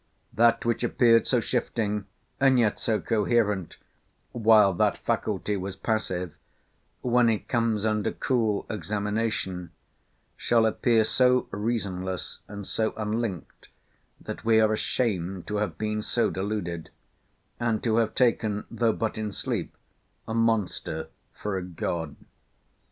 That which appeared so shifting, and yet so coherent, while that faculty was passive, when it comes under cool examination, shall appear so reasonless and so unlinked, that we are ashamed to have been so deluded; and to have taken, though but in sleep, a monster for a god.